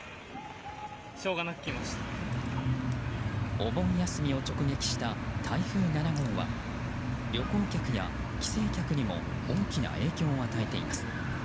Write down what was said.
お盆休みを直撃した台風７号は旅行客や帰省客にも大きな影響を与えています。